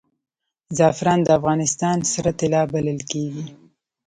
زعفران د افغانستان سره طلا بلل کیږي